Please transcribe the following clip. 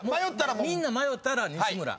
みんな迷ったら西村。